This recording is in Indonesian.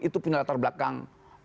itu punya latar belakang